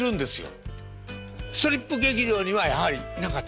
ストリップ劇場にはやはりいなかった？